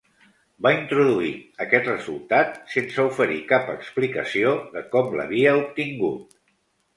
Va introduir aquest resultat sense oferir cap explicació de com l'havia obtingut.